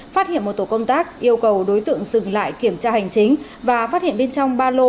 phát hiện một tổ công tác yêu cầu đối tượng dừng lại kiểm tra hành chính và phát hiện bên trong ba lô